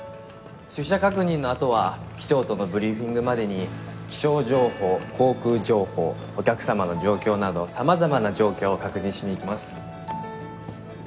「出社確認のあとは機長とのブリーフィングまでに気象情報航空情報お客様の状況など様々な状況を確認しに行きます」